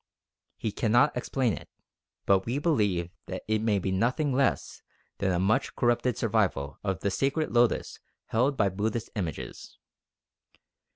He cannot explain it, but we believe that it may be nothing less than a much corrupted survival of the sacred lotus held by Buddhist images.